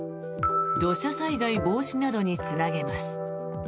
土砂災害防止などにつなげます。